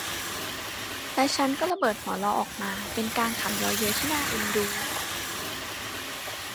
และฉันก็ระเบิดหัวเราะออกมา เป็นการขำเยาะเย้ยที่น่าเอ็นดู